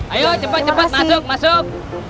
ayo cepet cepet masuk masuk